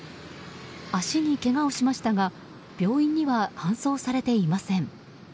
足にけがをしましたが病院には搬送されていません。